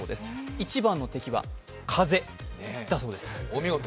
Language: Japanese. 一番の敵は風だそうです。